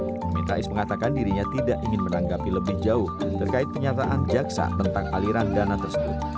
amin rais mengatakan dirinya tidak ingin menanggapi lebih jauh terkait pernyataan jaksa tentang aliran dana tersebut